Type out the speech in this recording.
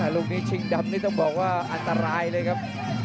ลุคนี้ที่จิ้งดำต้องบอกว่าอันตนายต์เลยครับ